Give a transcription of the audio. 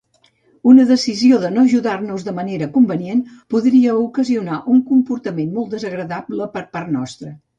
Una decisió de no ajudar-nos de manera convenient podria ocasionar un comportament molt desagradable per part nostra.